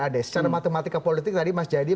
ades secara matematika politik tadi mas jadi